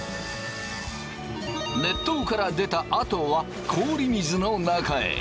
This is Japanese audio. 熱湯から出たあとは氷水の中へ！